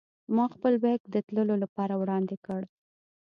ما خپل بېک د تللو لپاره وړاندې کړ.